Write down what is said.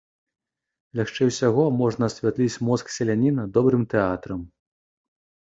Лягчэй усяго можна асвятліць мозг селяніна добрым тэатрам.